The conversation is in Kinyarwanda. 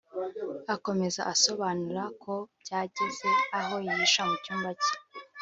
Akomeza asobanura ko byageze aho yihisha mu cyumba cye